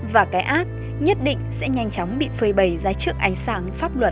và cái ác nhất định sẽ nhanh chóng bị phơi bầy ra trước ánh sáng pháp luật